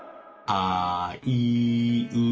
あいう。